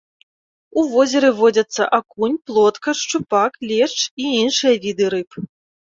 У возеры водзяцца акунь, плотка, шчупак, лешч і іншыя віды рыб.